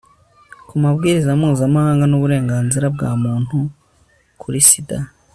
ku mabwiriza mpuzamahanga n'uburenganzira bwa muntu kuri sida